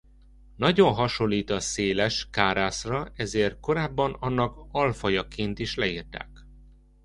Nagyon hasonlít a széles kárászra ezért korábban annak alfajaként is leírták.